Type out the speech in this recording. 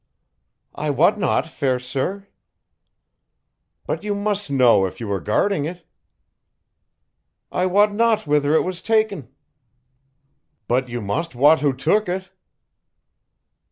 "I wot not, fair sir." "But you must know if you were guarding it!" "I wot not whither it was taken." "But you must wot who took it."